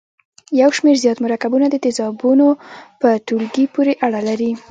یو شمیر زیات مرکبونه د تیزابو په ټولګي پورې اړه لري.